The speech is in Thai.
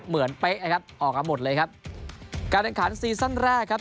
เป๊ะนะครับออกมาหมดเลยครับการแข่งขันซีซั่นแรกครับ